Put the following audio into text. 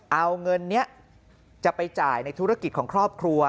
เอาเงินนี้จะไปจ่ายในธุรกิจของครอบครัว